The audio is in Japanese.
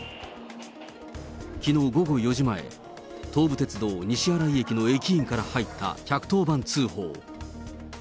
きのう午後４時前、東武鉄道西新井駅の駅員から入った１１０番通報。